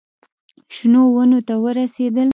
شنو ونو ته ورسېدل.